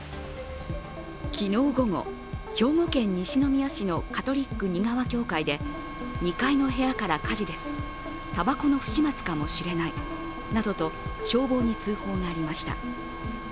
昨日午後、兵庫県西宮市のカトリック仁川教会で２階の部屋から火事です、たばこの不始末かもしれないなどと消防に通報がありました。